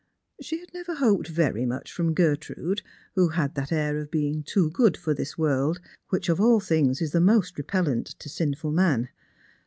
She had never hoped very much from Gertrude, who had that air of being too good for this woi'ld, which of all things is the most rejDellent to sinful man.